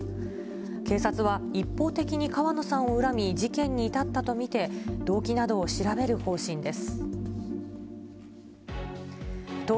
警察は一方的に川野さんを恨み、事件に至ったと見て、動機などを調べる方針です。